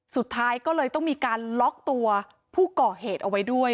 สุดท้ายก็เลยต้องมีการล็อกตัวผู้ก่อเหตุเอาไว้ด้วย